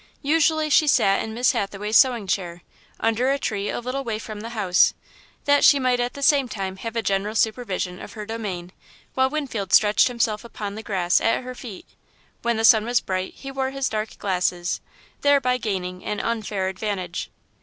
Usually, she sat in Miss Hathaway's sewing chair, under a tree a little way from the house, that she might at the same time have a general supervision of her domain, while Winfield stretched himself upon the grass at her feet. When the sun was bright, he wore his dark glasses, thereby gaining an unfair advantage.